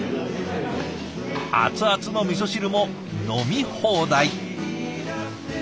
熱々のみそ汁も飲み放題。